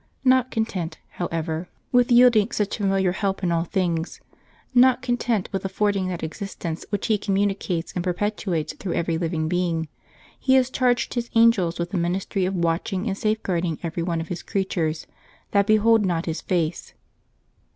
Not content, however, with 328 LIYES OF TEE SAINTS [October 3 yielding such familiar help in all things, not content with affording that existence which He communicates and per petuates through every living being, He has charged His angels with the ministry of watching and safeguarding every one of His creatures that behold not His face.